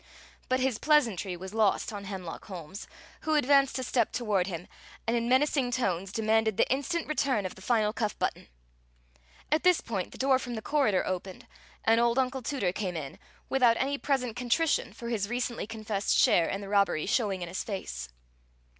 But his pleasantry was lost on Hemlock Holmes, who advanced a step toward him and, in menacing tones, demanded the instant return of the final cuff button. At this point the door from the corridor opened, and old Uncle Tooter came in, without any present contrition for his recently confessed share in the robbery showing in his face.